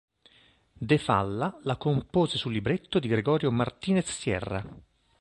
De Falla la compose su libretto di Gregorio Martínez Sierra.